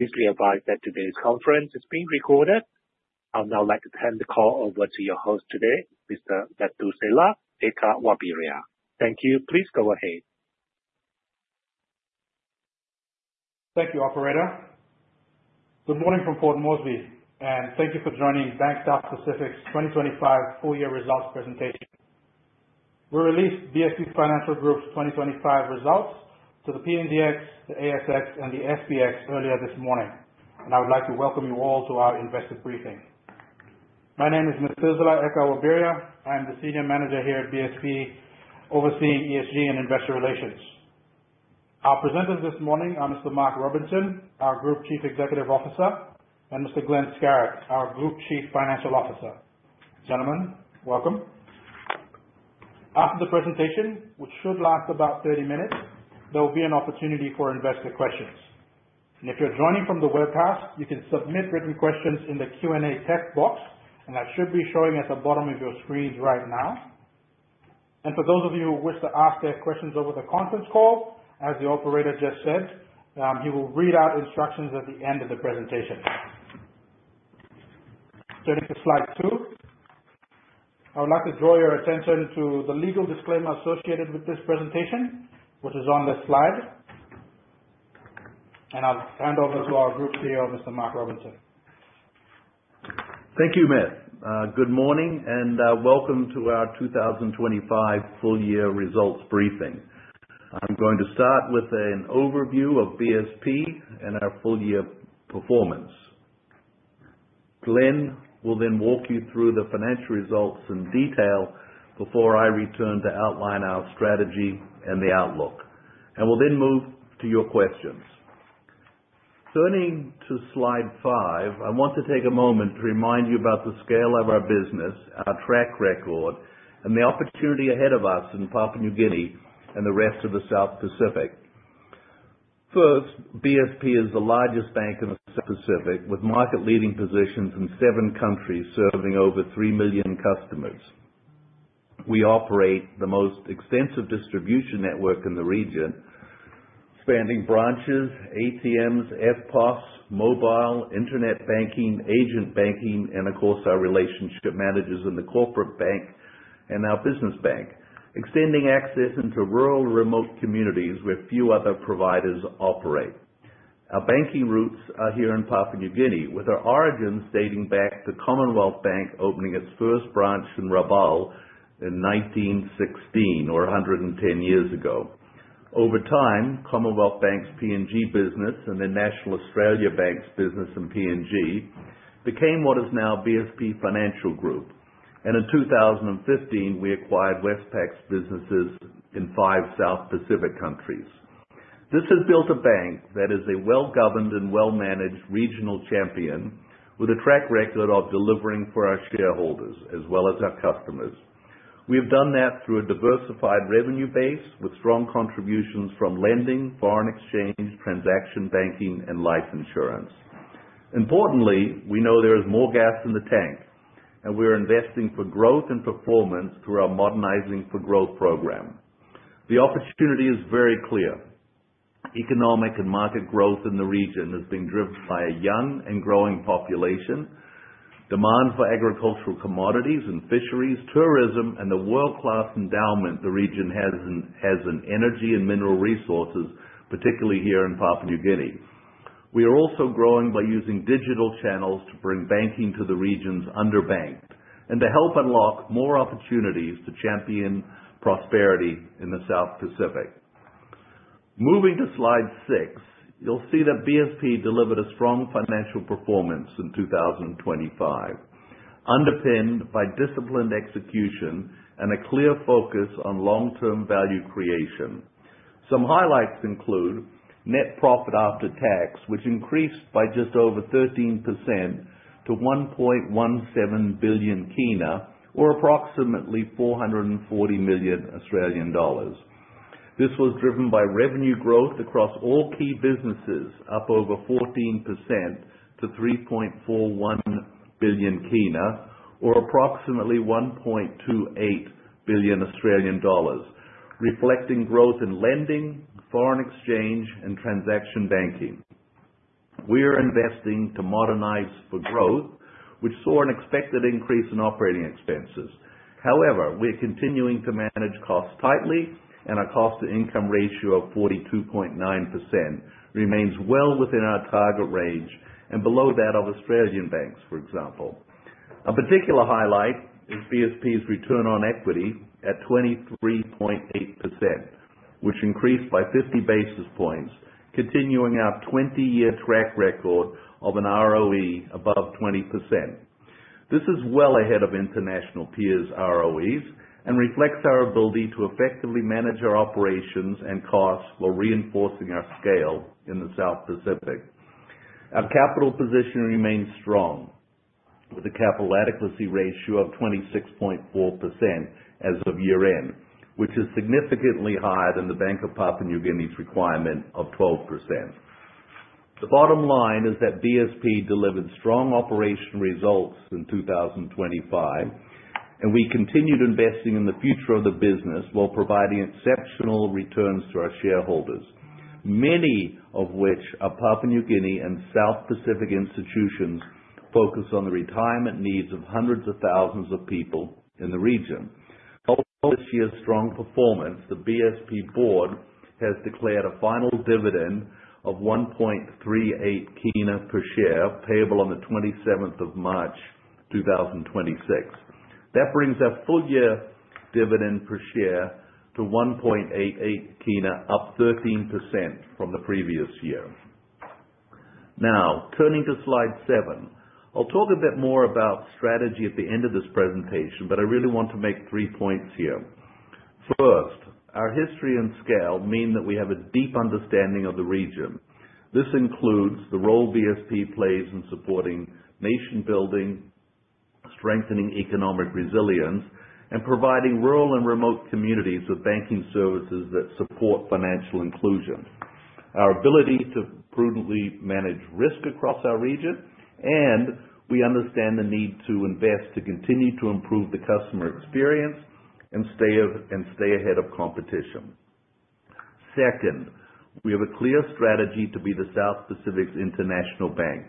Please be advised that today's conference is being recorded. I would now like to turn the call over to your host today, Mr. Methuselah Eka Wabiria. Thank you. Please go ahead. Thank you, operator. Good morning from Port Moresby, and thank you for joining Bank South Pacific's 2025 full year results presentation. We released BSP Financial Group's 2025 results to the PNGX, the ASX, and the SPX earlier this morning, and I would like to welcome you all to our investor briefing. My name is Methuselah Eka Wabiria. I am the Senior Manager here at BSP, overseeing ESG and Investor Relations. Our presenters this morning are Mr. Mark Robinson, our Group Chief Executive Officer, and Mr. Glen Skarott, our Group Chief Financial Officer. Gentlemen, welcome. After the presentation, which should last about 30 minutes, there will be an opportunity for investor questions. If you're joining from the webcast, you can submit written questions in the Q&A text box, and that should be showing at the bottom of your screens right now. For those of you who wish to ask their questions over the conference call, as the operator just said, he will read out instructions at the end of the presentation. Turning to slide two, I would like to draw your attention to the legal disclaimer associated with this presentation, which is on this slide. I'll hand over to our Group CEO, Mr. Mark Robinson. Thank you, Meth. Good morning, and welcome to our 2025 full year results briefing. I'm going to start with an overview of BSP and our full year performance. Glenn will then walk you through the financial results in detail before I return to outline our strategy and the outlook, and we'll then move to your questions. Turning to slide 5, I want to take a moment to remind you about the scale of our business, our track record, and the opportunity ahead of us in Papua New Guinea and the rest of the South Pacific. First, BSP is the largest bank in the South Pacific, with market-leading positions in seven countries, serving over 3 million customers. We operate the most extensive distribution network in the region, spanning branches, ATMs, EFTPOS, mobile, internet banking, agent banking, and of course, our relationship managers in the corporate bank and our business bank. Extending access into rural, remote communities where few other providers operate. Our banking roots are here in Papua New Guinea, with our origins dating back to Commonwealth Bank, opening its first branch in Rabaul in 1916, or 110 years ago. Over time, Commonwealth Bank's PNG business and the National Australia Bank's business in PNG became what is now BSP Financial Group. In 2015, we acquired Westpac's businesses in five South Pacific countries. This has built a bank that is a well-governed and well-managed regional champion with a track record of delivering for our shareholders as well as our customers. We have done that through a diversified revenue base with strong contributions from lending, foreign exchange, transaction banking, and life insurance. Importantly, we know there is more gas in the tank, and we are investing for growth and performance through our Modernising for Growth program. The opportunity is very clear. Economic and market growth in the region has been driven by a young and growing population, demand for agricultural commodities and fisheries, tourism, and the world-class endowment the region has in energy and mineral resources, particularly here in Papua New Guinea. We are also growing by using digital channels to bring banking to the region's underbanked and to help unlock more opportunities to champion prosperity in the South Pacific. Moving to slide 6, you'll see that BSP delivered a strong financial performance in 2025, underpinned by disciplined execution and a clear focus on long-term value creation. Some highlights include net profit after tax, which increased by just over 13% to PGK 1.17 billion, or approximately 440 million Australian dollars. This was driven by revenue growth across all key businesses, up over 14% to PGK 3.41 billion, or approximately 1.28 billion Australian dollars, reflecting growth in lending, foreign exchange, and transaction banking. We are investing to modernize for growth, which saw an expected increase in operating expenses. However, we are continuing to manage costs tightly, and our cost-to-income ratio of 42.9% remains well within our target range and below that of Australian banks, for example. A particular highlight is BSP's return on equity at 23.8%, which increased by 50 basis points, continuing our 20-year track record of an ROE above 20%. This is well ahead of international peers' ROEs, and reflects our ability to effectively manage our operations and costs while reinforcing our scale in the South Pacific. Our capital position remains strong, with a capital adequacy ratio of 26.4% as of year-end, which is significantly higher than the Bank of Papua New Guinea's requirement of 12%. The bottom line is that BSP delivered strong operational results in 2025... and we continued investing in the future of the business, while providing exceptional returns to our shareholders, many of which are Papua New Guinea and South Pacific institutions focused on the retirement needs of hundreds of thousands of people in the region. Following this year's strong performance, the BSP board has declared a final dividend of PGK 1.38 per share, payable on the 27th of March, 2026. That brings our full year dividend per share to PGK 1.88, up 13% from the previous year. Now, turning to slide 7. I'll talk a bit more about strategy at the end of this presentation, but I really want to make three points here. First, our history and scale mean that we have a deep understanding of the region. This includes the role BSP plays in supporting nation building, strengthening economic resilience, and providing rural and remote communities with banking services that support financial inclusion. Our ability to prudently manage risk across our region, and we understand the need to invest to continue to improve the customer experience and stay and stay ahead of competition. Second, we have a clear strategy to be the South Pacific's international bank,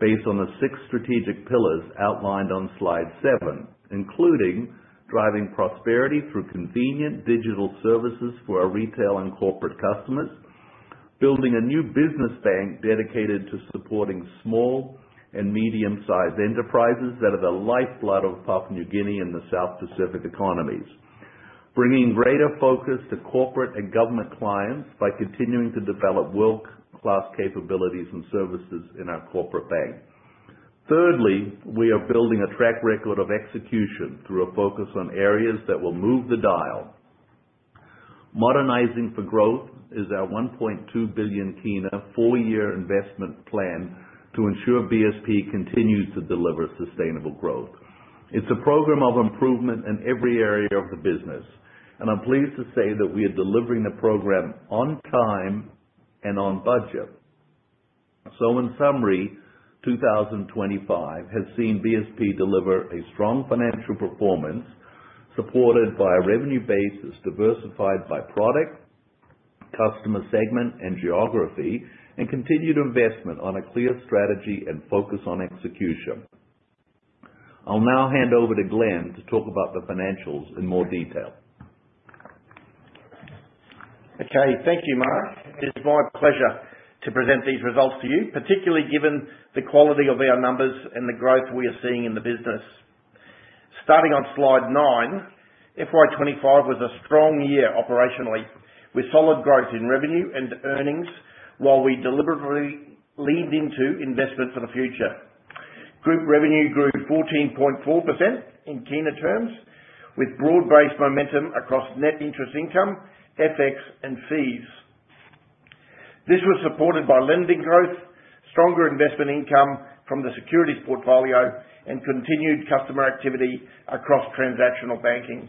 based on the six strategic pillars outlined on slide seven, including driving prosperity through convenient digital services for our retail and corporate customers. Building a new business bank dedicated to supporting small and medium-sized enterprises that are the lifeblood of Papua New Guinea and the South Pacific economies. Bringing greater focus to corporate and government clients by continuing to develop world-class capabilities and services in our corporate bank. Thirdly, we are building a track record of execution through a focus on areas that will move the dial. Modernizing for Growth is our PGK 1.2 billion full year investment plan to ensure BSP continues to deliver sustainable growth. It's a program of improvement in every area of the business, and I'm pleased to say that we are delivering the program on time and on budget. In summary, 2025 has seen BSP deliver a strong financial performance, supported by a revenue base that's diversified by product, customer segment, and geography, and continued investment on a clear strategy and focus on execution. I'll now hand over to Glen to talk about the financials in more detail. Okay, thank you, Mark. It's my pleasure to present these results to you, particularly given the quality of our numbers and the growth we are seeing in the business. Starting on slide 9, FY 25 was a strong year operationally, with solid growth in revenue and earnings, while we deliberately leaned into investment for the future. Group revenue grew 14.4% in kina terms, with broad-based momentum across net interest income, FX, and fees. This was supported by lending growth, stronger investment income from the securities portfolio, and continued customer activity across transactional banking.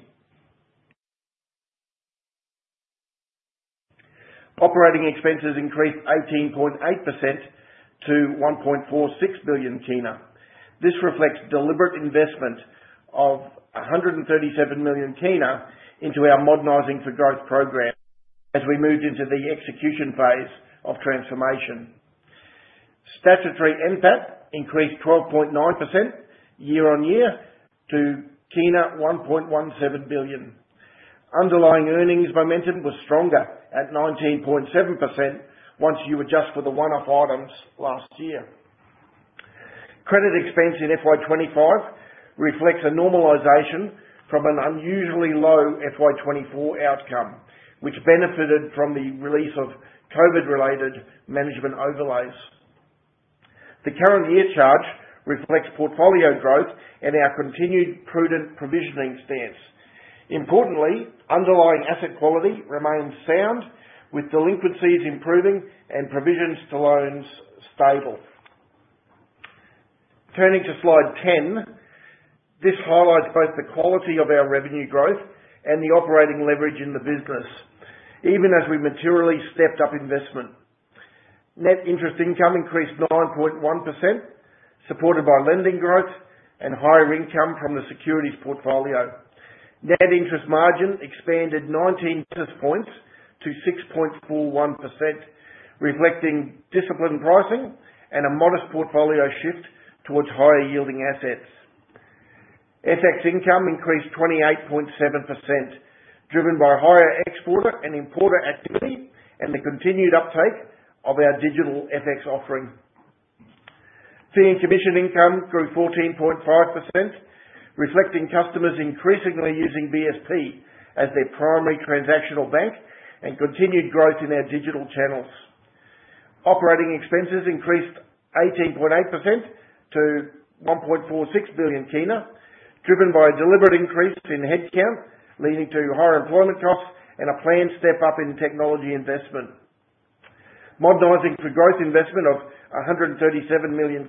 Operating expenses increased 18.8% to PGK 1.46 billion. This reflects deliberate investment of PGK 137 million into our Modernizing for Growth program, as we moved into the execution phase of transformation. Statutory NPAT increased 12.9% year-on-year to PGK 1.17 billion. Underlying earnings momentum was stronger at 19.7%, once you adjust for the one-off items last year. Credit expense in FY 2025 reflects a normalization from an unusually low FY 2024 outcome, which benefited from the release of COVID-related management overlays. The current year charge reflects portfolio growth and our continued prudent provisioning stance. Importantly, underlying asset quality remains sound, with delinquencies improving and provisions to loans stable. Turning to Slide 10, this highlights both the quality of our revenue growth and the operating leverage in the business, even as we materially stepped up investment. Net interest income increased 9.1%, supported by lending growth and higher income from the securities portfolio. Net interest margin expanded 19 basis points to 6.41%, reflecting disciplined pricing and a modest portfolio shift towards higher yielding assets. FX income increased 28.7%, driven by higher exporter and importer activity and the continued uptake of our digital FX offering. Fee and commission income grew 14.5%, reflecting customers increasingly using BSP as their primary transactional bank and continued growth in our digital channels. Operating expenses increased 18.8% to PGK 1.46 billion, driven by a deliberate increase in headcount, leading to higher employment costs and a planned step up in technology investment. Modernizing for Growth investment of PGK 137 million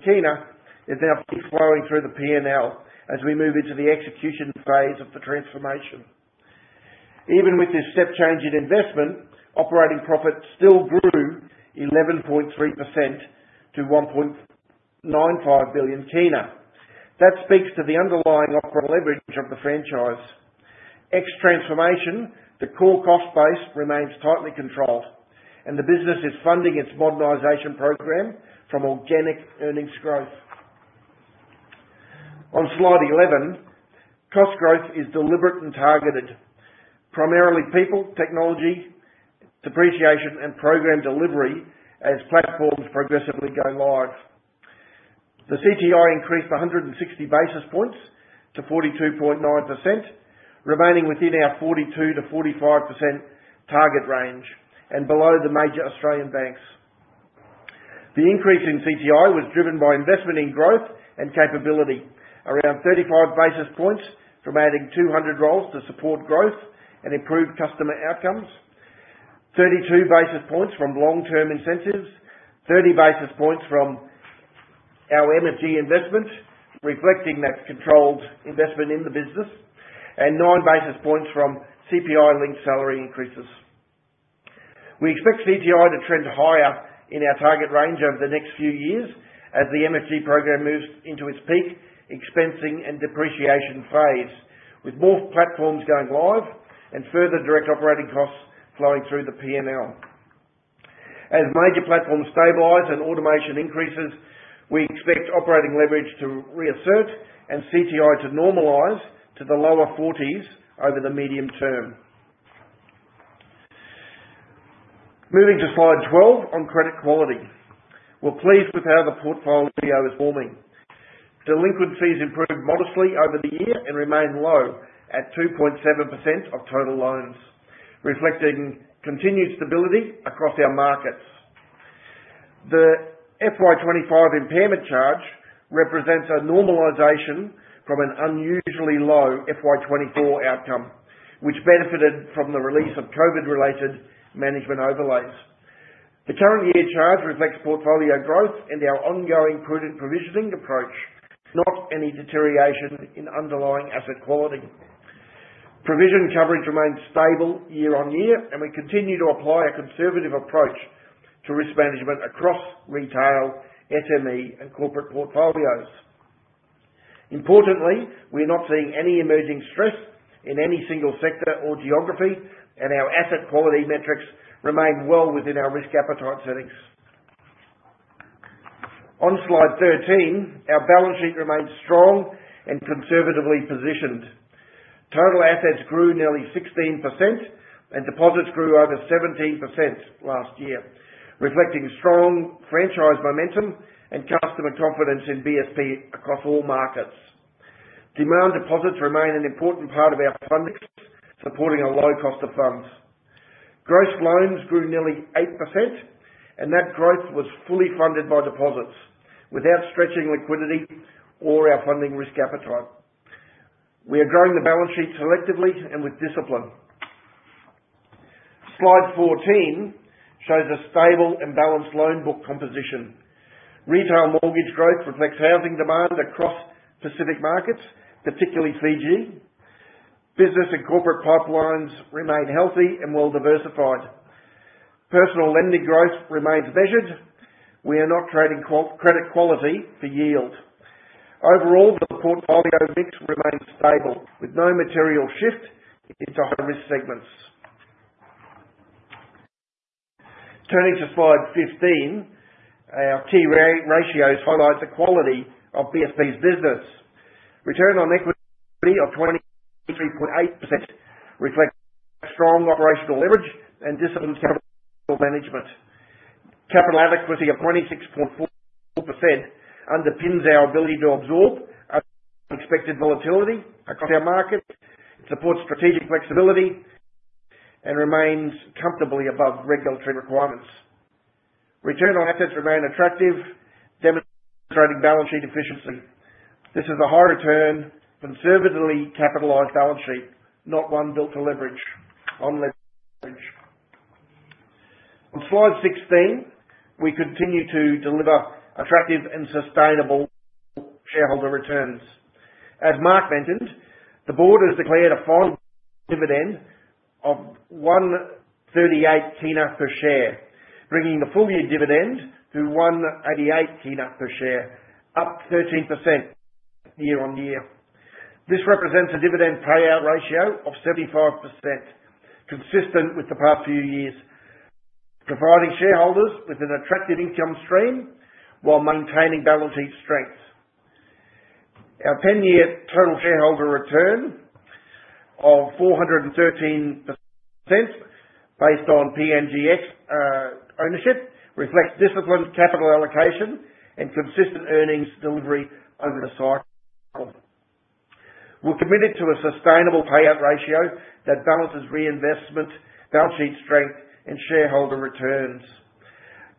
is now flowing through the P&L as we move into the execution phase of the transformation. Even with this step change in investment, operating profit still grew 11.3% to PGK 1.95 billion. That speaks to the underlying operational leverage of the franchise. Ex transformation, the core cost base remains tightly controlled, and the business is funding its modernization program from organic earnings growth. On Slide 11, cost growth is deliberate and targeted, primarily people, technology, depreciation, and program delivery as platforms progressively go live. The CTI increased 160 basis points to 42.9%, remaining within our 42%-45% target range and below the major Australian banks. The increase in CTI was driven by investment in growth and capability. Around 35 basis points from adding 200 roles to support growth and improve customer outcomes, 32 basis points from long-term incentives, 30 basis points from our MSG investment, reflecting that controlled investment in the business, and 9 basis points from CPI-linked salary increases. We expect CTI to trend higher in our target range over the next few years as the MSG program moves into its peak, expensing and depreciation phase, with more platforms going live and further direct operating costs flowing through the PNL. As major platforms stabilize and automation increases, we expect operating leverage to reassert and CTI to normalize to the lower forties over the medium term. Moving to Slide 12 on credit quality. We're pleased with how the portfolio is performing. Delinquencies improved modestly over the year and remain low at 2.7% of total loans, reflecting continued stability across our markets. The FY 2025 impairment charge represents a normalization from an unusually low FY 2024 outcome, which benefited from the release of COVID-related management overlays. The current year charge reflects portfolio growth and our ongoing prudent provisioning approach, not any deterioration in underlying asset quality. Provision coverage remains stable year-on-year, and we continue to apply a conservative approach to risk management across retail, SME, and corporate portfolios. Importantly, we're not seeing any emerging stress in any single sector or geography, and our asset quality metrics remain well within our risk appetite settings. On Slide 13, our balance sheet remains strong and conservatively positioned. Total assets grew nearly 16%, and deposits grew over 17% last year, reflecting strong franchise momentum and customer confidence in BSP across all markets. Demand deposits remain an important part of our funding, supporting a low cost of funds. Gross loans grew nearly 8%, and that growth was fully funded by deposits, without stretching liquidity or our funding risk appetite. We are growing the balance sheet selectively and with discipline. Slide 14 shows a stable and balanced loan book composition. Retail mortgage growth reflects housing demand across Pacific markets, particularly Fiji. Business and corporate pipelines remain healthy and well diversified. Personal lending growth remains measured. We are not trading credit quality for yield. Overall, the portfolio mix remains stable, with no material shift into high-risk segments. Turning to Slide 15, our key ratios highlight the quality of BSP's business. Return on equity of 23.8% reflects strong operational leverage and disciplined capital management. Capital adequacy of 26.4% underpins our ability to absorb unexpected volatility across our market, supports strategic flexibility, and remains comfortably above regulatory requirements. Return on assets remain attractive, demonstrating balance sheet efficiency. This is a high return, conservatively capitalized balance sheet, not one built to leverage on leverage. On Slide 16, we continue to deliver attractive and sustainable shareholder returns. As Mark mentioned, the board has declared a final dividend of PGK 1.38 per share, bringing the full-year dividend to PGK 1.88 per share, up 13% year-on-year. This represents a dividend payout ratio of 75%, consistent with the past few years, providing shareholders with an attractive income stream while maintaining balance sheet strength. Our 10-year total shareholder return of 413%, based on PNGX ownership, reflects disciplined capital allocation and consistent earnings delivery over the cycle. We're committed to a sustainable payout ratio that balances reinvestment, balance sheet strength, and shareholder returns.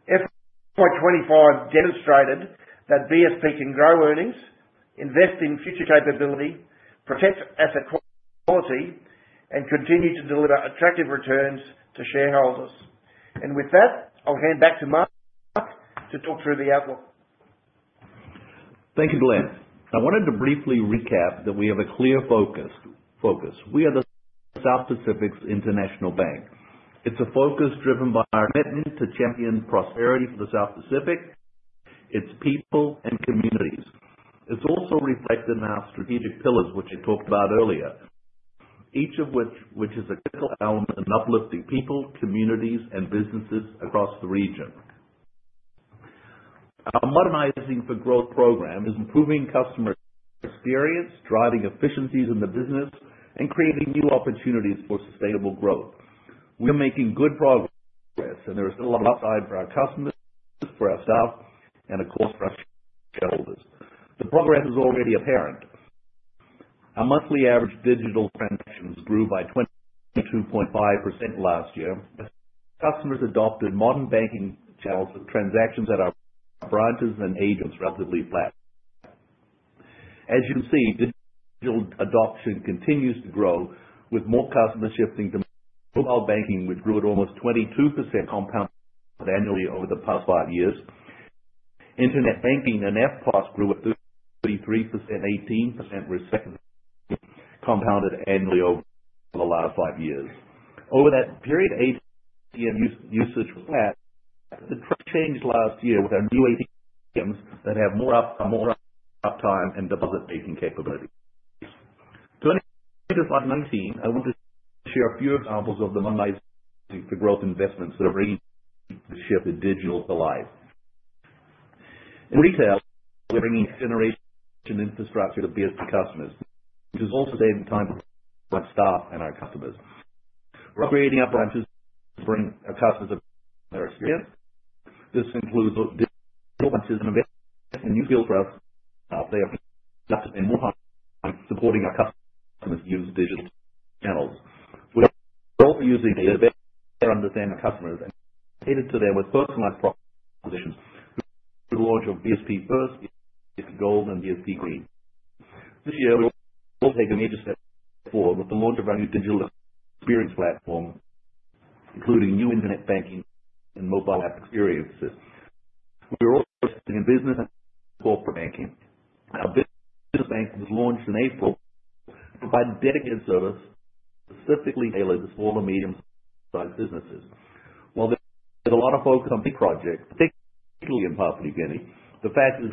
FY 2025 demonstrated that BSP can grow earnings, invest in future capability, protect asset quality, and continue to deliver attractive returns to shareholders. With that, I'll hand back to Mark, to talk through the outlook. Thank you, Glen. I wanted to briefly recap that we have a clear focus, focus. We are the South Pacific's international bank. It's a focus driven by our commitment to champion prosperity for the South Pacific, its people, and communities. It's also reflected in our strategic pillars, which I talked about earlier, each of which, which is a critical element in uplifting people, communities, and businesses across the region. Our Modernizing for Growth program is improving customer experience, driving efficiencies in the business, and creating new opportunities for sustainable growth. We are making good progress, and there is still a lot of upside for our customers, for ourselves, and of course, for our shareholders. The progress is already apparent. Our monthly average digital transactions grew by 22.5% last year. Customers adopted modern banking channels, with transactions at our branches and agents relatively flat. As you can see, digital adoption continues to grow, with more customers shifting to mobile banking, which grew at almost 22% compounded annually over the past five years. Internet banking and App Plus grew at 33%, 18% respectively, compounded annually over the last five years. Over that period, ATM usage was flat. The trend changed last year with our new ATMs that have more uptime and deposit-making capabilities. Turning to slide 19, I want to share a few examples of the Modernizing for Growth investments that are bringing this shift to digital to life. In retail, we're bringing generation infrastructure to customers, which is also saving time for our staff and our customers. We're upgrading our branches to bring our customers a better experience. This includes virtual branches and investment in new skills for our staff. They have to spend more time supporting our customers who use digital channels. We're also using data to better understand our customers and cater to them with personalized product positions. With the launch of BSP First, BSP Gold, and BSP Green. This year, we will also take the major step forward with the launch of our new digital experience platform, including new internet banking and mobile app experiences. We are also investing in business and corporate banking. Our business bank was launched in April to provide dedicated service specifically tailored to small and medium-sized businesses. While there's a lot of focus on big projects, particularly in Papua New Guinea, the fact is,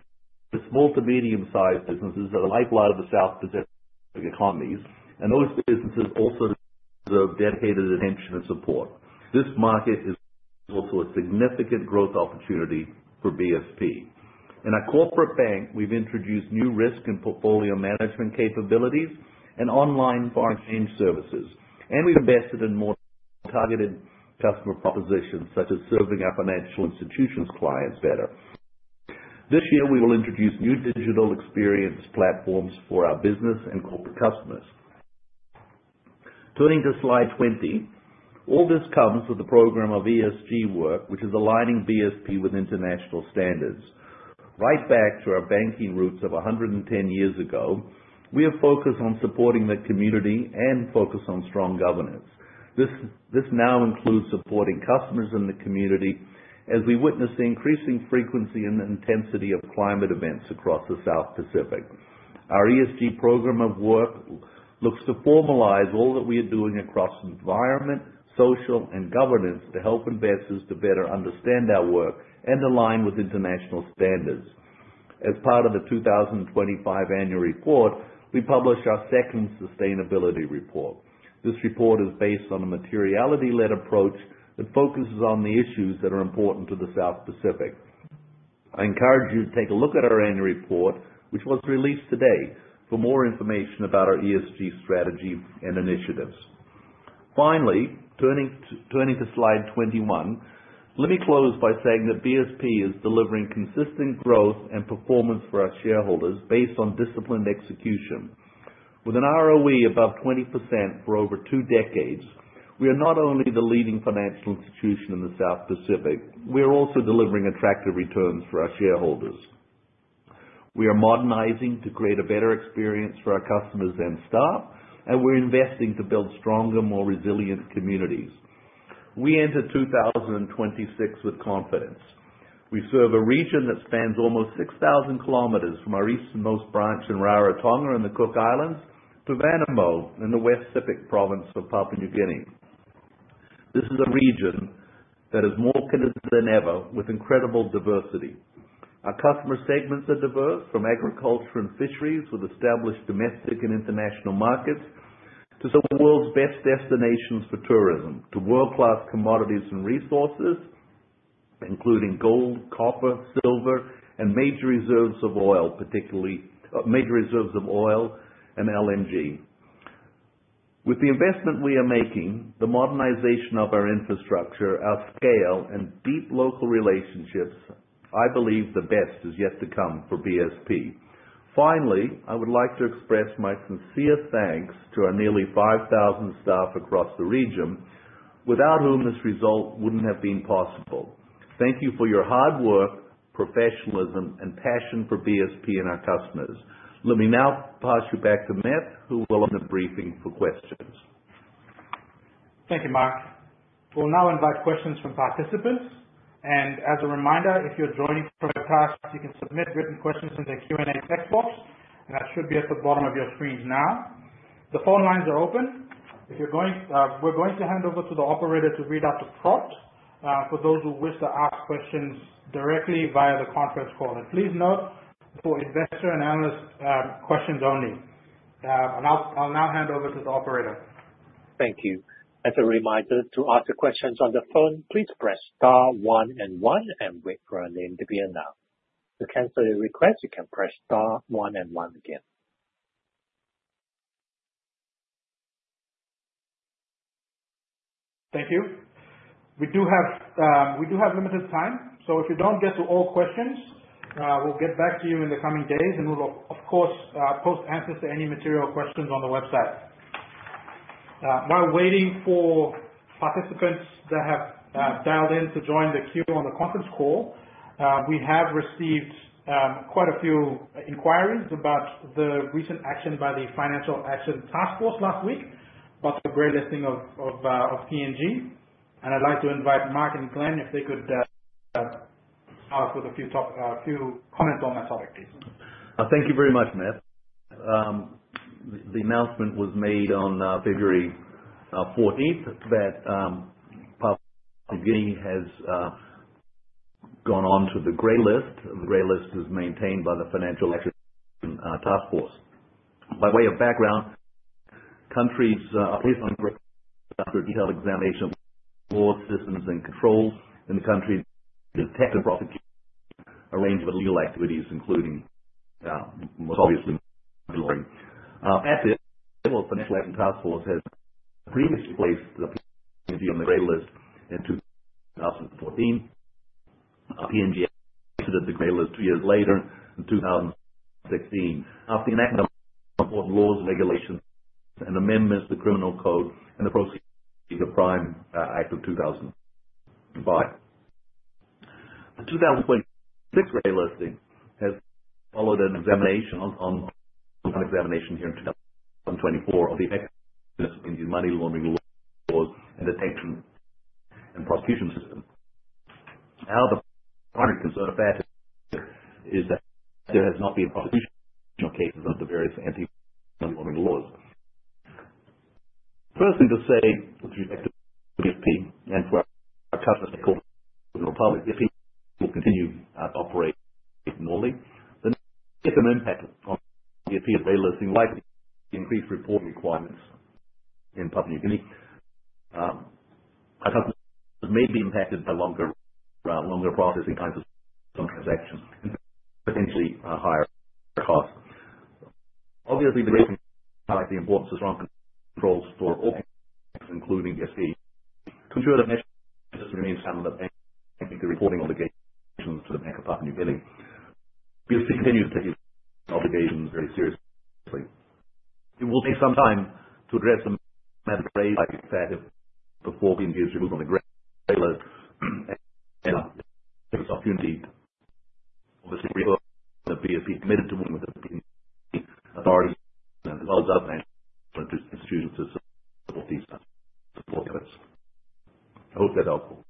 the small to medium-sized businesses are the lifeline of the South Pacific economies, and those businesses also deserve dedicated attention and support. This market is also a significant growth opportunity for BSP. In our corporate bank, we've introduced new risk and portfolio management capabilities and online foreign exchange services, and we've invested in more targeted customer propositions, such as serving our financial institutions clients better. This year, we will introduce new digital experience platforms for our business and corporate customers. Turning to slide 20. All this comes with a program of ESG work, which is aligning BSP with international standards. Right back to our banking roots of 110 years ago, we are focused on supporting the community and focused on strong governance. This now includes supporting customers in the community as we witness the increasing frequency and intensity of climate events across the South Pacific. Our ESG program of work looks to formalize all that we are doing across environment, social, and governance, to help investors to better understand our work and align with international standards. As part of the 2025 annual report, we published our second sustainability report. This report is based on a materiality-led approach that focuses on the issues that are important to the South Pacific. I encourage you to take a look at our annual report, which was released today, for more information about our ESG strategy and initiatives. Finally, turning to slide 21. Let me close by saying that BSP is delivering consistent growth and performance for our shareholders based on disciplined execution. With an ROE above 20% for over 2 decades, we are not only the leading financial institution in the South Pacific, we are also delivering attractive returns for our shareholders. We are modernizing to create a better experience for our customers and staff, and we're investing to build stronger, more resilient communities. We enter 2026 with confidence. We serve a region that spans almost 6,000 kilometers from our easternmost branch in Rarotonga, in the Cook Islands, to Vanimo, in the West Sepik Province of Papua New Guinea. This is a region that is more connected than ever with incredible diversity. Our customer segments are diverse, from agriculture and fisheries, with established domestic and international markets, to some of the world's best destinations for tourism, to world-class commodities and resources, including gold, copper, silver, and major reserves of oil, particularly, major reserves of oil and LNG. With the investment we are making, the modernization of our infrastructure, our scale, and deep local relationships, I believe the best is yet to come for BSP. Finally, I would like to express my sincere thanks to our nearly 5,000 staff across the region, without whom this result wouldn't have been possible. Thank you for your hard work, professionalism, and passion for BSP and our customers. Let me now pass you back to Meth, who will run the briefing for questions. Thank you, Mark. We'll now invite questions from participants, and as a reminder, if you're joining from the past, you can submit written questions in the Q&A text box, and that should be at the bottom of your screens now. The phone lines are open. If you're going, we're going to hand over to the operator to read out the prompt for those who wish to ask questions directly via the conference call. Please note, for investor and analyst questions only. I'll now hand over to the operator. Thank you. As a reminder, to ask the questions on the phone, please press star one and one and wait for our name to be announced. To cancel your request, you can press star one and one again. Thank you. We do have limited time, so if we don't get to all questions, we'll get back to you in the coming days, and we'll, of course, post answers to any material questions on the website. While waiting for participants that have dialed in to join the queue on the conference call, we have received quite a few inquiries about the recent action by the Financial Action Task Force last week, about the grey listing of PNG. And I'd like to invite Mark and Glen, if they could start with a few comments on that topic, please. Thank you very much, Matt. The announcement was made on February 14 that Papua New Guinea has gone on to the grey list. The grey list is maintained by the Financial Action Task Force. By way of background, countries are placed on grey after a detailed examination of law systems and controls in the country to detect and prosecute a range of illegal activities, including, most obviously, money laundering. At this, the Financial Action Task Force has previously placed PNG on the grey list in 2014. PNG was removed from the grey list two years later, in 2016, after enacting important laws, regulations, and amendments to the criminal code and the Proceeds of Crime Act of 2005. The 2026 grey listing has followed an examination on examination here in 2024 of the effectiveness of PNG money laundering laws, laws, and detection and prosecution system. Now, the primary concern of FATF is that there has not been prosecution of cases of the various anti-money laundering laws. First thing to say, with respect to BSP, and for our customers, of course, criminal public, BSP will continue to operate normally. The second impact on the BSP grey listing is likely increased reporting requirements in Papua New Guinea. Our customers may be impacted by longer, longer processing times on transactions, potentially, higher costs. Obviously, the grey list highlights the importance of strong controls for all, including BSP. Consumer measures remains standard, but the reporting obligations to the Bank of Papua New Guinea. BSP continues to take its obligations very seriously. It will take some time to address the matters raised by FATF before PNG is removed from the grey list, and there is opportunity. Obviously, we are committed to working with the PNG authorities, as well as other institutions to support these, support us. I hope that's helpful.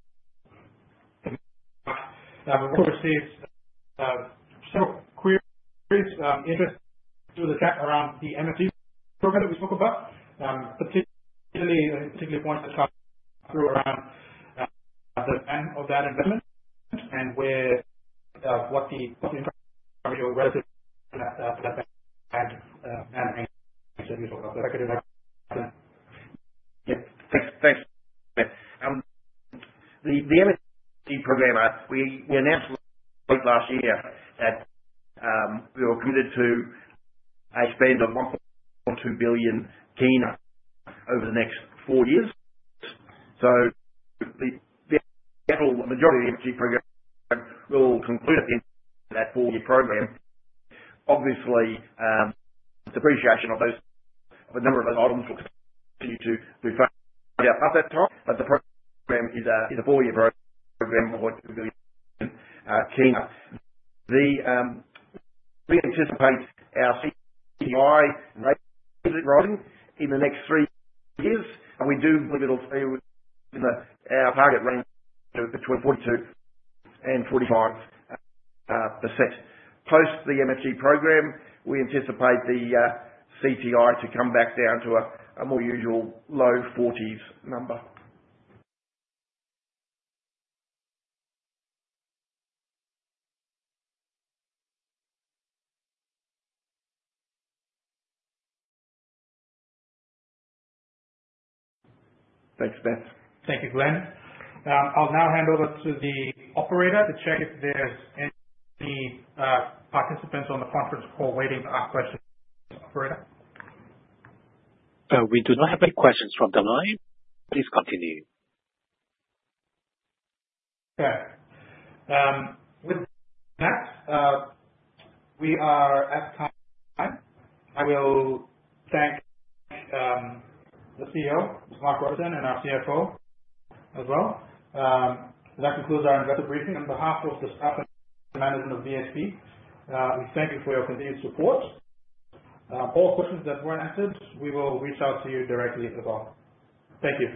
We've received several queries, interest through the chat around the MSG program that we spoke about. Particularly points to talk through around the time of that investment and where, what the relative to that, to that investment. Yeah. Thanks, thanks, Meth. The MSG program, we announced last year that we were committed to a spend of PGK 1.2 billion over the next four years. The majority of the MSG program will conclude at the end of that four-year program. Obviously, the depreciation of those, of a number of those items will continue to move up that time, but the program is a four-year program, program of PGK 1.2 billion. We anticipate our CTI ratio rising in the next three years, and we do believe it'll stay within our target range of 42%-45%. Post the MSG program, we anticipate the CTI to come back down to a more usual low forties number. Thanks, Glen. Thank you, Glen. I'll now hand over to the operator to check if there's any participants on the conference call waiting to ask questions. Operator? We do not have any questions from the line. Please continue. Okay. With that, we are at time. I will thank the CEO, Mark Robinson, and our CFO as well. That concludes our investor briefing. On behalf of the staff and management of BSP, we thank you for your continued support. All questions that weren't answered, we will reach out to you directly as well. Thank you.